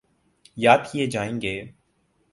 یاد کیے جائیں گے۔